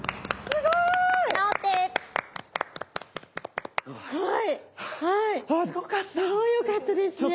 すごい良かったですね。